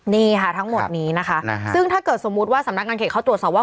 นี่ค่ะทั้งหมดนี้นะคะซึ่งถ้าเกิดสมมุติว่าสำนักงานเขตเขาตรวจสอบว่า